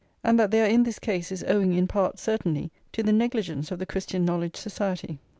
And that they are in this case is owing in part, certainly, to the negligence of the Christian Knowledge Society.